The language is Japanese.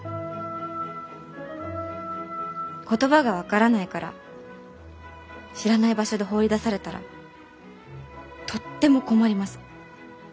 言葉が分からないから知らない場所で放り出されたらとっても困ります。